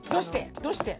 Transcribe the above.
どうして？